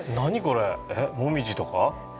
モミジとか？